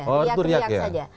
oh itu riak ya